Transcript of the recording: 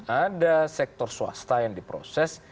ada sektor swasta yang diproses